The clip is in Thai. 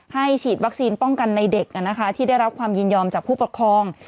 ฉีดวัคซีนป้องกันในเด็กที่ได้รับความยินยอมจากผู้ปกครอง